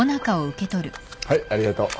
はいありがとう。